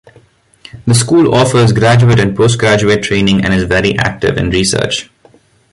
The school offers graduate and postgraduate training, and is very active in research.